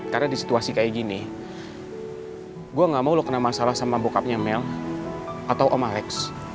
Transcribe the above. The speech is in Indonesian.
karena di situasi kayak gini gue gak mau lo kena masalah sama bokapnya mel atau om alex